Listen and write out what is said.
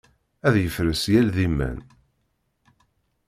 Ad yefres yal d iman.